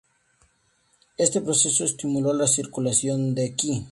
Este proceso estimuló la circulación de qi.